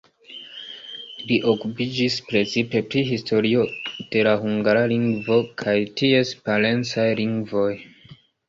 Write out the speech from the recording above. Li okupiĝis precipe pri historio de la hungara lingvo kaj ties parencaj lingvoj.